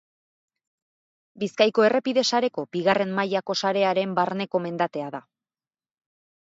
Bizkaiko errepide sareko, bigarren mailako sarearen barneko mendatea da.